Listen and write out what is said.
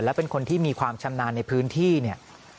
และเป็นคนที่มีความชำนาญในพื้นที่เนี่ย